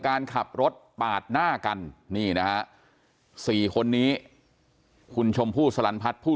การขับรถปาดหน้ากันนี่นะฮะ๔คนนี้คุณชมพู่สลันพัฒน์ผู้